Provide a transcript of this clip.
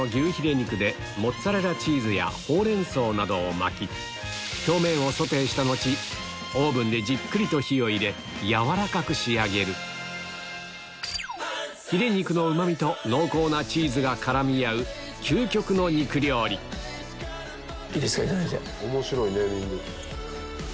肉でモッツァレラチーズやホウレンソウなどを巻き表面をソテーした後オーブンでじっくりと火を入れ軟らかく仕上げるヒレ肉のうまみと濃厚なチーズが絡み合う究極の肉料理いいですかいただいて。